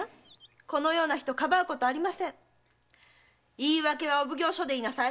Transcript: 言い訳はお奉行所で言いなさい。